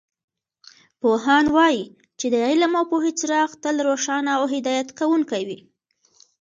پوهان وایي چې د علم او پوهې څراغ تل روښانه او هدایت کوونکې وي